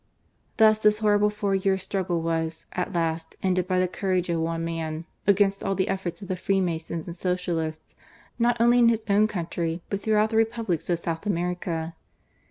Thus this horrible four years' 154 GARCIA MORENO. struggle was, at last, ended by the courage of one man, against all the efforts of the Freemasons and Socialists, not only in his own country but through out the Republics of South America.